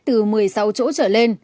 từ một mươi sáu chỗ trở lên